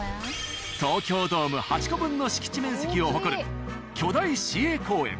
東京ドーム８個分の敷地面積を誇る巨大市営公園。